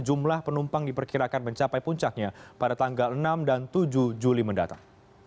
jumlah penumpang diperkirakan mencapai puncaknya pada tanggal enam dan tujuh juli mendatang